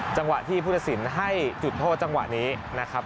จังหวะที่พุทธศิลป์ให้จุดโทษจังหวะนี้นะครับ